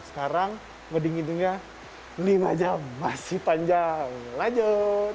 sekarang ngedinginnya lima jam masih panjang lanjut